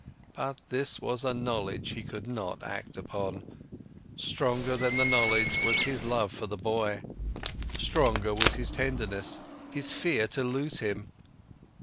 But this was a knowledge he could not act upon, stronger than the knowledge was his love for the boy, stronger was his tenderness, his fear to lose him.